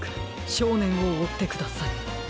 しょうねんをおってください。